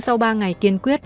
sau ba ngày kiên quyết